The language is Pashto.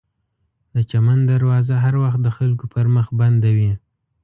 د چمن دروازه هر وخت د خلکو پر مخ بنده وي.